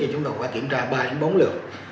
chúng tôi phải kiểm tra ba bốn lượng